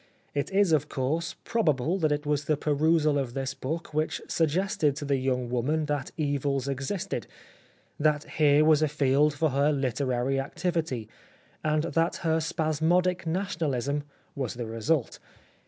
It is, of course, probable that it was the perusal of this book which suggested to the young woman that evils existed, that here was a field for her literary activity, and that her spasmodic Nationalism was the result.